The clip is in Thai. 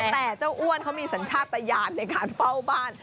แต่เจ้าอ้วนเขามีสัญชาติตะยานในการเฝ้าบ้าน